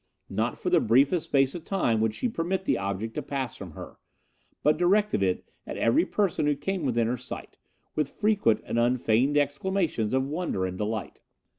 Not for the briefest space of time would she permit the object to pass from her, but directed it at every person who came within her sight, with frequent and unfeigned exclamations of wonder and delight.